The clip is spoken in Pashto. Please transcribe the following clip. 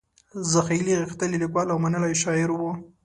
زاخیلي غښتلی لیکوال او منلی شاعر و.